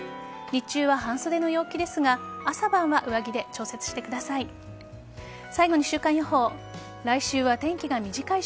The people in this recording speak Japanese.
日中は半袖の陽気ですが朝晩は上着で調節してください。